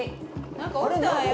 何か落ちたわよ。